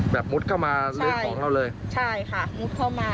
มุดเข้ามาเลยของเราเลยใช่ค่ะมุดเข้ามา